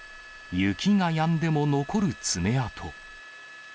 雪がやんでも残る爪痕。